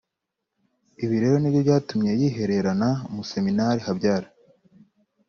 ibi rero nibyo byatumye yihererana Umuseminali Habyala